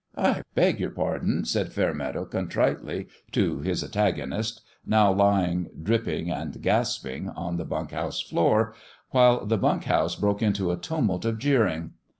" I beg your pardon 1 " said Fairmeadow, contritely, to his antagonist, now lying, dripping and gasping, on the bunk house floor, while the bunk house broke into a tumult of jeering.